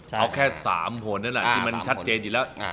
เอาแค่๓ผลนั่นแหละที่มันชัดเจนอยู่แล้ว